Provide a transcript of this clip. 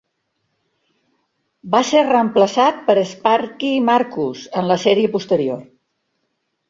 Va ser reemplaçat per Sparky Marcus en la sèrie posterior.